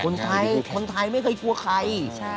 คนไทยคนไทยไม่เคยชัวร์ใคร